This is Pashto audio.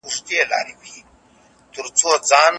له منفي خلکو به لرې کېږي.